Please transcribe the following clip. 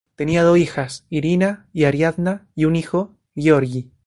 Tenía dos hijas, Irina y Ariadna, y un hijo, Gueorgui.